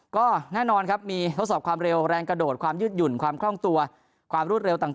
ก็แน่นอนครับมีทดสอบความเร็วแรงกระโดดความยืดหยุ่นความคล่องตัวความรวดเร็วต่าง